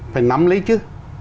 phải nắm lấy chứ